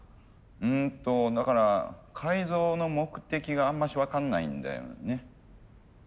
うんとだから改造の目的があんまし分かんないんだよね。